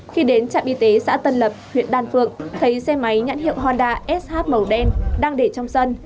khi đến trạm y tế xã tân lập huyện đan phượng thấy xe máy nhãn hiệu honda sh màu đen đang để trong sân